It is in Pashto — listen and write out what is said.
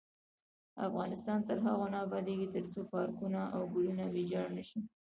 افغانستان تر هغو نه ابادیږي، ترڅو پارکونه او ګلونه ویجاړ نشي.